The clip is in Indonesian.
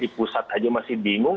di pusat aja masih bingung